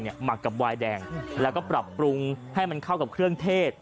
หมักกับวายแดงแล้วก็ปรับปรุงให้มันเข้ากับเครื่องเทศ